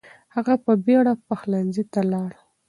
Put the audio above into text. هغه په بیړه پخلنځي ته لاړ.